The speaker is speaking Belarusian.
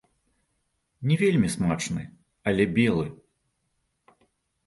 Не вельмі смачны, але белы.